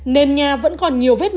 nên nhà vẫn còn nhiều vết mái